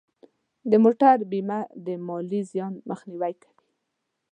د موټر بیمه د مالی زیان مخنیوی کوي.